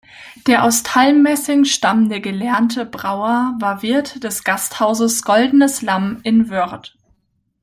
Der aus Thalmässing stammende gelernte Brauer war Wirt des Gasthauses „Goldenes Lamm“ in Wöhrd.